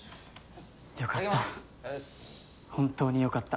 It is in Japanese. よかった。